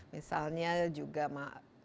misalnya juga mak